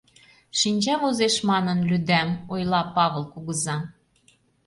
Шинча возеш манын лӱдам, — ойла Павыл кугыза.